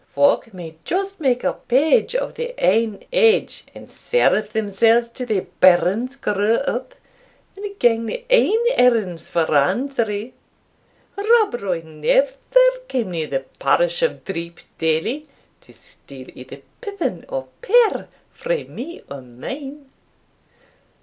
Folk may just make a page o' their ain age, and serve themsells till their bairns grow up, and gang their ain errands for Andrew. Rob Roy never came near the parish of Dreepdaily, to steal either pippin or pear frae me or mine."